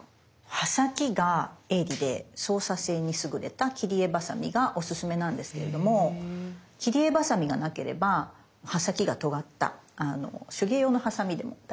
刃先が鋭利で操作性に優れた切り絵バサミがおすすめなんですけれども切り絵バサミがなければ刃先がとがった手芸用のハサミでも代用できます。